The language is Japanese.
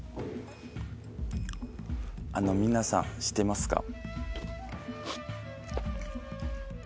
皆さん知ってますか？